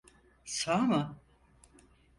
Sağ mı?